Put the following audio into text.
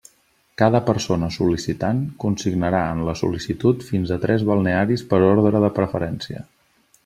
Cada persona sol·licitant consignarà en la sol·licitud fins a tres balnearis per orde de preferència.